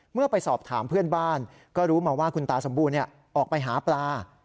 เมื่อไปสอบถามเพื่อนบ้านก็รู้มาว่าคุณตาสมบูรณ์ออกไปหาปลา